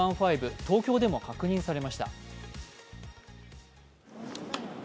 東京でも確認されました。